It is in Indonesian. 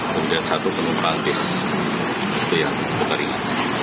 kemudian satu penumpang bis itu yang luka ringan